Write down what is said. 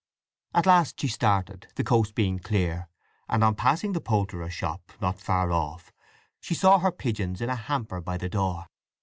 At last she started, the coast being clear, and on passing the poulterer's shop, not far off, she saw her pigeons in a hamper by the door.